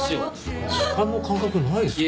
時間の感覚ないですよね。